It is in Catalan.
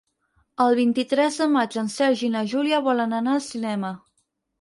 El vint-i-tres de maig en Sergi i na Júlia volen anar al cinema.